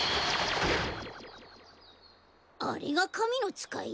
あれがかみのつかい？